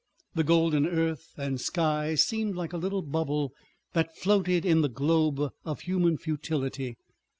The golden earth and sky seemed like a little bubble that floated in the globe of human futility.